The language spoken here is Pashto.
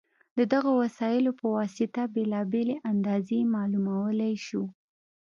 د دغو وسایلو په واسطه بېلابېلې اندازې معلومولی شو.